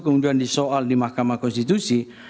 kemudian disoal di mahkamah konstitusi